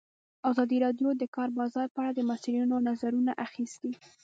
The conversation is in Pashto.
ازادي راډیو د د کار بازار په اړه د مسؤلینو نظرونه اخیستي.